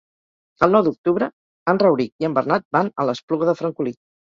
El nou d'octubre en Rauric i en Bernat van a l'Espluga de Francolí.